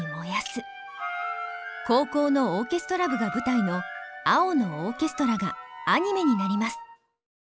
高校のオーケストラ部が舞台の「青のオーケストラ」がアニメになります。